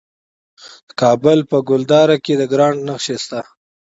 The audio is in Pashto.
د کابل په ګلدره کې د ګرانیټ نښې شته.